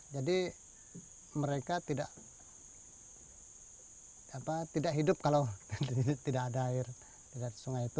jadi mereka tidak hidup kalau tidak ada air di sungai itu